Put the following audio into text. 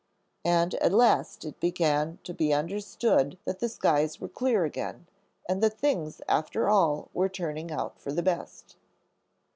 And at last it began to be understood that the skies were clear again, and that things after all were turning out for the best.